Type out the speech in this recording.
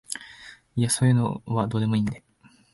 いやそういうのはどうでもいいんで